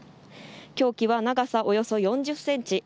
凶器は長さおよそ４０センチ